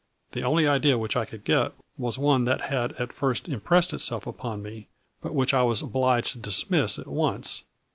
The only idea which I could get was one that had at first impressed itself upon me, but which I was obliged to dismiss at once.